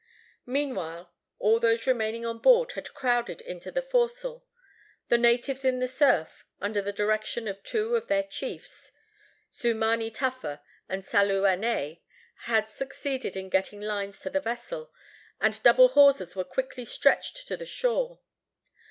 Meanwhile, all those remaining on board had crowded into the forecastle. The natives in the surf, under the direction of two of their chiefs, Seumanu Tafa and Salu Anae, had succeeded in getting lines to the vessels, and double hawsers were quickly stretched to the shore.